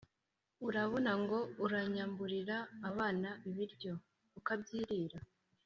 urabona ngo uranyamburira abana ibiryo, ukabyirira?